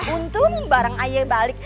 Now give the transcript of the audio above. untung bareng ayah balik